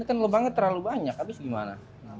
kan terlalu banyak abis gimana